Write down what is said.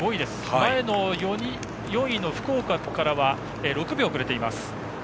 前の４位の福岡からは６秒遅れています。